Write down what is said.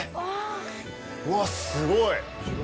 うわっ、すごい。